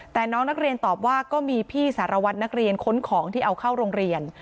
แต่น้องนักเรียนตอบว่าก็มีพี่สารวัตรนักเรียนค้นของที่เอาเข้าโรงเรียน